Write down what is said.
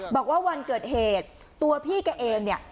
บอกว่าวันเกิดเหตุตัวพี่แกเองเนี่ย